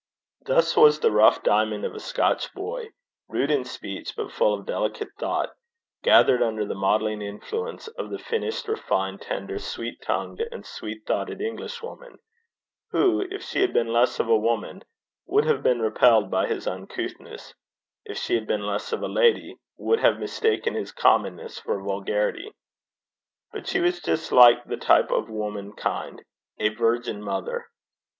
Thus was this rough diamond of a Scotch boy, rude in speech, but full of delicate thought, gathered under the modelling influences of the finished, refined, tender, sweet tongued, and sweet thoughted Englishwoman, who, if she had been less of a woman, would have been repelled by his uncouthness; if she had been less of a lady, would have mistaken his commonness for vulgarity. But she was just, like the type of womankind, a virgin mother.